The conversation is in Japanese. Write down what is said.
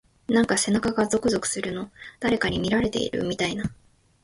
なんか背中がゾクゾクするの。誰かに見られてるみたいな…。